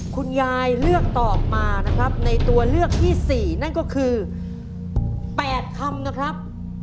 คุณยายเลือกตอบมานะครับในตัวเลือกที่๔นั่นก็คือ๘คำนะครับ